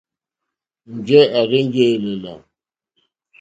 Njɛ̂ à rzênjé èlèlà.